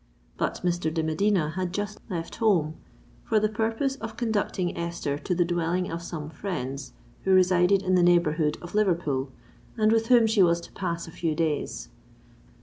But Mr. de Medina had just left home for the purpose of conducting Esther to the dwelling of some friends who resided in the neighbourhood of Liverpool, and with whom she was to pass a few days.